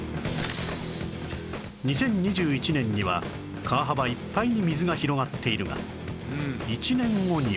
２０２１年には川幅いっぱいに水が広がっているが１年後には